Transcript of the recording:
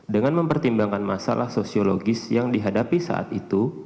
dengan mempertimbangkan masalah sosiologis yang dihadapi saat itu